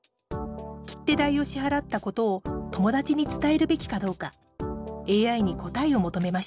切手代を支払ったことを友達に伝えるべきかどうかＡＩに答えを求めました。